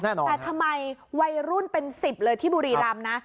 แต่ทำไมวัยรุ่นเป็น๑๐เลยที่บุรีรำนะ